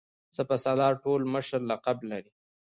سپه سالار ټول مشر لقب لري.